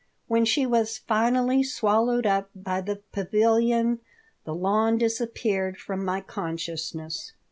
When she was finally swallowed up by the pavilion the lawn disappeared from my consciousness.